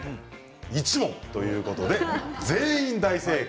１問ということで全員、大正解。